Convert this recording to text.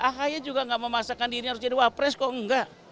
ahaya juga nggak mau masakan dirinya harus jadi wapres kok enggak